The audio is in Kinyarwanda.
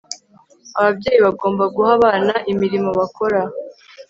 Ababyeyi bagomba guha abana imirimo bakora